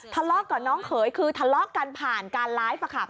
ทะเลาะกับน้องเขยคือทะเลาะกันผ่านการไลฟ์